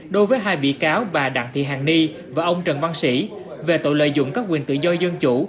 đối với hai bị cáo bà đặng thị hàng ni và ông trần văn sĩ về tội lợi dụng các quyền tự do dân chủ